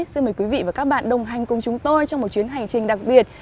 xin mời quý vị và các bạn đồng hành cùng chúng tôi trong một chuyến hành trình đặc biệt